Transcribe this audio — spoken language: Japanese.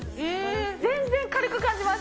全然軽く感じます。